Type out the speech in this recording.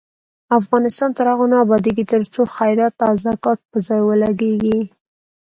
افغانستان تر هغو نه ابادیږي، ترڅو خیرات او زکات په ځای ولګیږي.